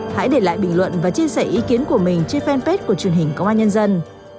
hãy để lại bình luận và chia sẻ ý kiến của mình trên fanpage của truyền hình công an nhân dân